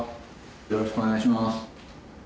よろしくお願いします。